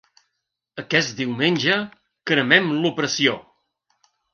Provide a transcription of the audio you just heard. Aquest diumenge, cremem l'opressió!